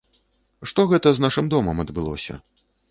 Што гэта з нашым домам адбылося?